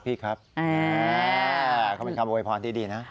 เขามีคำโอไหยพรตีดีนะ